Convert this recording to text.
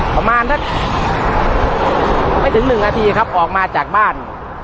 ประมาณไม่ถึง๑นาทีออกมาจากบ้าน